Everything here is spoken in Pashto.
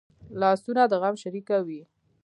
لاسونه د غم شریکه وي